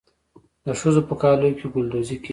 د ښځو په کالیو کې ګلدوزي کیږي.